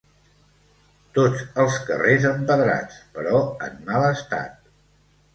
Tots els carrers empedrats, però en mal estat.